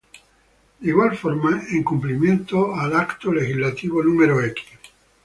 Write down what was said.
De igual forma, en cumplimiento del el Acto Legislativo No.